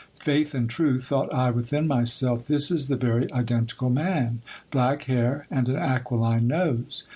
Faith and truth, thought I within myself, this is the very identical man. Black hair and an aquiline nose